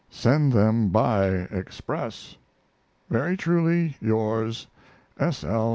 Send them by express. Very truly yours, S. L.